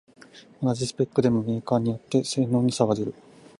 同じスペックでもメーカーによって性能に差が出る